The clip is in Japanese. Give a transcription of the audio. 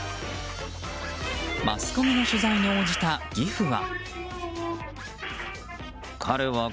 マスコミの取材に応じた義父は。